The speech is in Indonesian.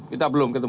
kita belum ketemu